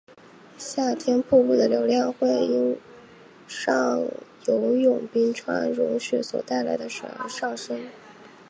夏天瀑布的流量会因上游冰川融雪所带来的水而上升。